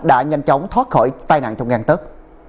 đã nhanh chóng thoát khỏi tai nạn trong ngàn tất